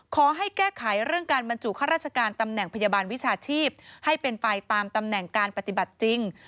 ขอให้แก้ไขเรื่องการบรรจุข้าราชการตำแหน่งพยาบาลวิชาชีพให้เป็นไปตามตำแหน่งการปฏิบัติจริง